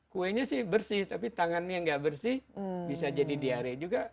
kuenya sih bersih tapi tangannya nggak bersih bisa jadi diare juga